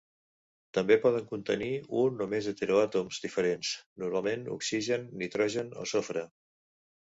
També poden contenir un o més heteroàtoms diferents, normalment oxigen, nitrogen o sofre.